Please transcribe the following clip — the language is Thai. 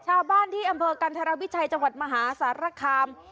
ชาวบ้านที่อำเภอกันธรวิชัยจังหวัดมหาสารคาม